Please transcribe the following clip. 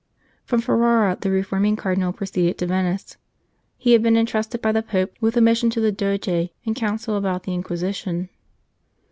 From Ferrara the reforming Cardinal proceeded to Venice. He had been entrusted by the Pope with a mission to the Doge and Council anent the Inquisition.